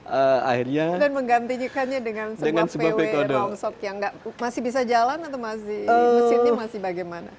dan menggantikannya dengan sebuah vw rongsok yang masih bisa jalan atau masih mesinnya masih bagaimana